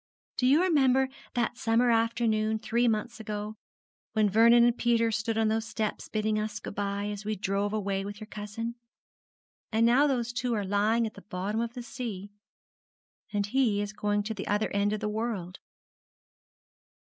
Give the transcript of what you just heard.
Do you remember that summer afternoon, three mouths ago, when Vernon and Peter stood on those steps bidding us good bye, as we drove away with your cousin? and now those two are lying at the bottom of the sea, and he is going to the other end of the world.'